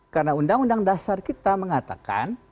karena undang undang dasar kita mengatakan